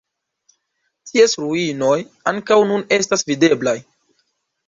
Ties ruinoj ankaŭ nun estas videblaj.